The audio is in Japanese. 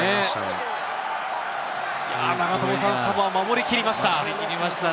サモア、守り切りました。